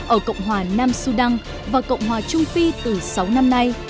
ở cộng hòa nam sudan và cộng hòa trung phi từ sáu năm nay